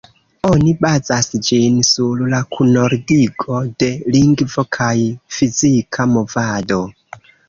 Oni bazas ĝin sur la kunordigo de lingvo kaj fizika movado.